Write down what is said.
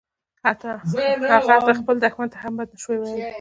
هغه حتی خپل دښمن ته هم بد نشوای ویلای